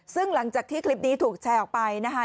ซึ่งหลังจากที่คลิปนี้ถูกแชร์ออกไปนะคะ